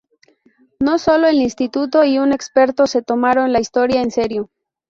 No solo el Instituto y un experto se tomaron la historia en serio